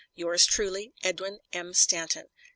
Yours truly, EDWIN M. STANTON.